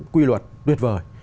quy luật tuyệt vời